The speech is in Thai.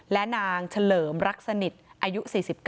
และนางเฉลิมรักสนิทอายุ๔๙